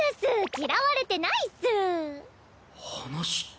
嫌われてないっス。